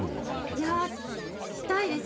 いやしたいです。